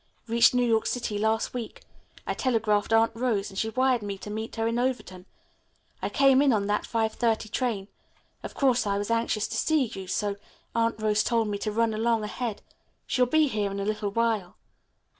Reached New York City last week. I telegraphed Aunt Rose, and she wired me to meet her in Overton. I came in on that 5.30 train. Of course I was anxious to see you, so Aunt Rose told me to run along ahead. She'll be here in a little while."